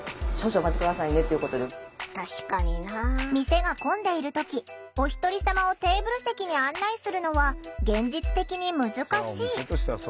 店が混んでいる時おひとり様をテーブル席に案内するのは現実的に難しい。